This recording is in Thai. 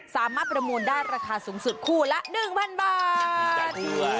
สามารถประมูลได้ราคาสูงสุดคู่ละ๑๐๐๐บาท